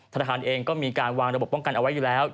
ธนาคารเองก็มีการวางระบบป้องกันเอาไว้อยู่แล้ว